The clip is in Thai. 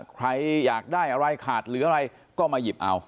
ใครอยากได้อะไรขาดเหลืออะไรก็มาหยิบเอา